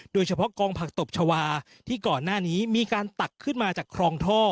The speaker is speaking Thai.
โดยเฉพาะกองผักตบชาวาที่ก่อนหน้านี้มีการตักขึ้นมาจากครองท่อ